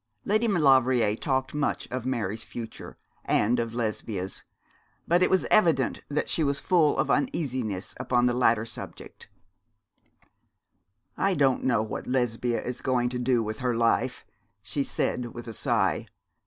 Lady Maulevrier talked much of Mary's future, and of Lesbia's; but it was evident that she was full of uneasiness upon the latter subject. 'I don't know what Lesbia is going to do with her life,' she said, with a sigh.